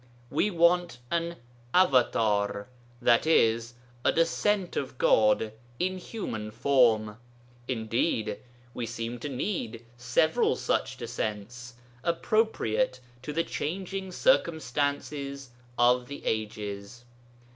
We want an avatâr, i.e. a 'descent' of God in human form; indeed, we seem to need several such 'descents,' appropriate to the changing circumstances of the ages.